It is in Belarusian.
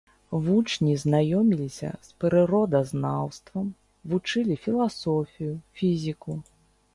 Вучні знаёміліся з прыродазнаўствам, вучылі філасофію, фізіку.